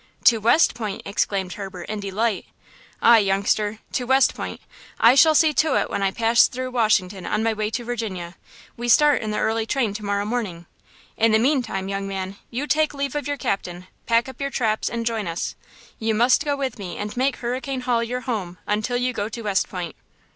"To West Point!" exclaimed Herbert, in delight. "Ay, youngster, to West Point. I shall see to it when I pass through Washington on my way to Virginia. We start in the early train tomorrow morning. In the meantime, young man, you take leave of your captain, pack up your traps and join us. You must go with me and make Hurricane Hall your home until you go to West Point."